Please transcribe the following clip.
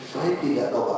saya tidak tahu pak